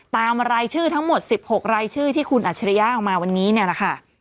ตามรายชื่อทั้งหมด๑๖รายชื่อที่คุณอัจฉริยาออกมาวันนี้นะคะ